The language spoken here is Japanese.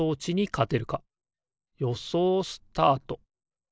よそうスタート。